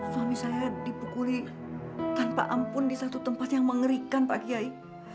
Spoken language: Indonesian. suami saya dipukuli tanpa ampun di satu tempat yang mengerikan pak kiai